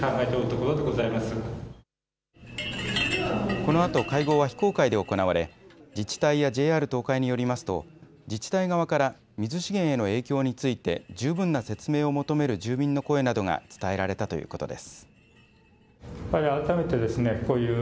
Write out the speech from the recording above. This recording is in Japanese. このあと会合は非公開で行われ自治体やＪＲ東海によりますと自治体側から水資源への影響について十分な説明を求める住民の声などが伝えられたということです。